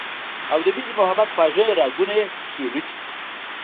او د مينې محبت خواږۀ راګونه ئې چېړلي دي